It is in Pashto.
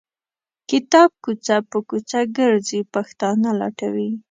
کتاب کوڅه په کوڅه ګرځي پښتانه لټوي.